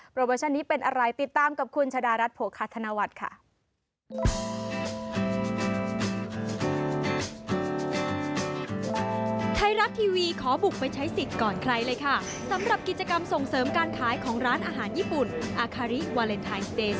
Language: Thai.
โปรโมชั่นนี้เป็นอะไรติดตามกับคุณชาดารัฐโผกาธนวัตค่ะ